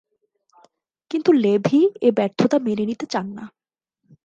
কিন্তু লেভি এ ব্যর্থতা মেনে নিতে চান না।